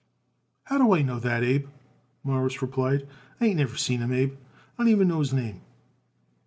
"How do I know that, Abe?" Morris replied. "I ain't never seen him, Abe; I don't even know his name."